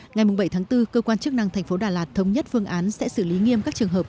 ngày bảy tháng bốn cơ quan chức năng thành phố đà lạt thống nhất phương án sẽ xử lý nghiêm các trường hợp